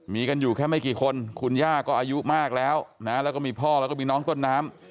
มีกันอยู่แค่ไม่กี่คนคุณย่าก็อายุมากแล้วนะแล้วก็มีพ่อแล้วก็มีน้องต้นน้ำ